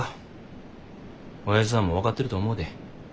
おやじさんも分かってると思うで。